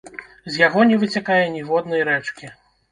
З яго не выцякае ніводнай рэчкі.